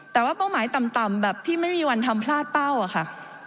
แต่ว่าเป้าหมายต่ำแบบที่ไม่มีวันทำพลาดเป้าอะค่ะ